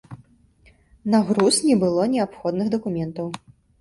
На груз не было неабходных дакументаў.